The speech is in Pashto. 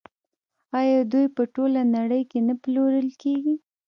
آیا دوی په ټوله نړۍ کې نه پلورل کیږي؟